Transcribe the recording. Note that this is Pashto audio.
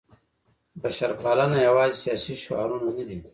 بشرپالنه یوازې سیاسي شعارونه نه دي.